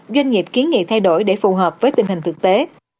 doanh nghiệp kiến nghị thay đổi để phù hợp với tình hình thực tế